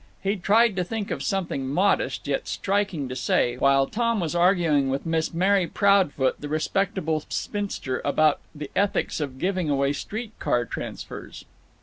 He tried to think of something modest yet striking to say, while Tom was arguing with Miss Mary Proudfoot, the respectable spinster, about the ethics of giving away street car transfers.